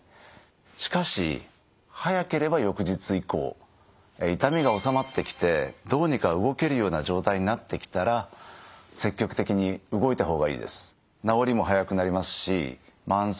しかし早ければ翌日以降痛みが治まってきてどうにか動けるような状態になってきたら積極的に動いた方がいいです。